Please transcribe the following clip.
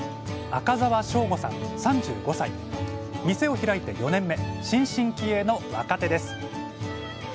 店を開いて４年目新進気鋭の若手です